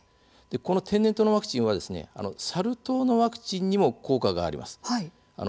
この天然痘のワクチンはサル痘のワクチンにも効果があります。